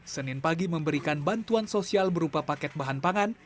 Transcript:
senin pagi memberikan bantuan sosial berupa paket bahan pangan